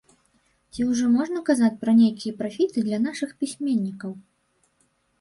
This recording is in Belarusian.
Ці ўжо можна казаць пра нейкія прафіты для нашых пісьменнікаў?